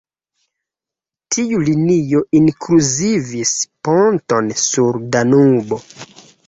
Tiu linio inkluzivis ponton sur Danubo.